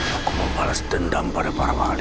aku mau balas dendam pada para mahali